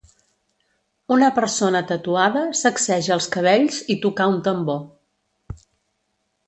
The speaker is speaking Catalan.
Una persona tatuada sacseja els cabells i tocar un tambor.